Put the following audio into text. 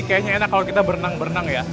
kayaknya enak kalau kita berenang berenang ya